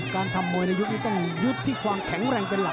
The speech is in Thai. การทำมวยในยุคนี้ต้องยึดที่ความแข็งแรงเป็นหลัก